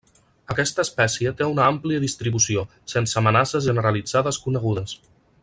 Aquesta espècie té una àmplia distribució, sense amenaces generalitzades conegudes.